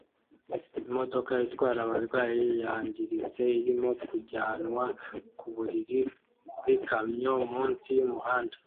Imodoka itwara abarwayi yangiritse irimo kujyanwa ku buriri bw'ikamyo munsi y'umuhanda